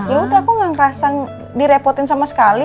yaudah aku gak ngerasa direpotin sama sekali